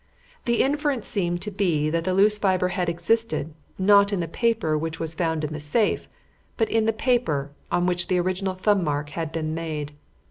The inference seemed to be that the loose fibre had existed, not in the paper which was found in the safe, but in the paper on which the original thumb mark had been made.